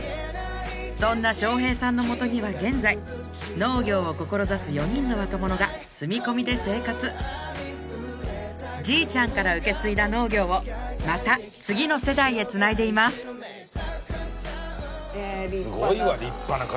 そんな将兵さんの元には現在農業を志す４人の若者が住み込みで生活じいちゃんから受け継いだ農業をまた次の世代へつないでいます立派だな。